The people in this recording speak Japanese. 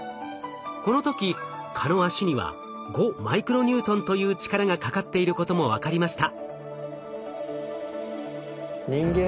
この時蚊の脚には５マイクロニュートンという力がかかっていることも分かりました。